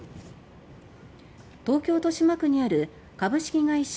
東京・豊島区にある株式会社